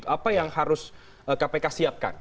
apa yang harus kpk siapkan